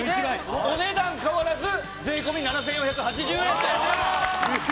お値段変わらず税込７４８０円という事ですね。